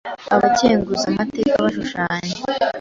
Abakenguzamateka bashushanya